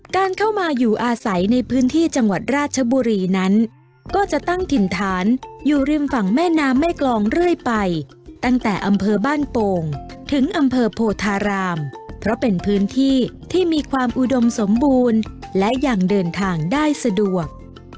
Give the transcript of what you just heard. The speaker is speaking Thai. การเข้ามาอยู่อาศัยในพื้นที่จังหวัดราชบุรีนั้นก็จะตั้งถิ่นฐานอยู่ริมฝั่งแม่น้ำแม่กรองเรื่อยไปตั้งแต่อำเภอบ้านโป่งถึงอำเภอโพธารามเพราะเป็นพื้นที่ที่มีความอุดมสมบูรณ์และยังเดินทางได้สะดวก